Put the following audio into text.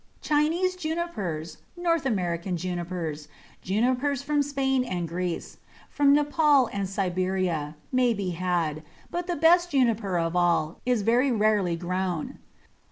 Chinese Junipers, North American Junipers, Junipers from Spain and Greece, from Nepaul and Siberia, may be had, but the best Juniper of all is very rarely grown.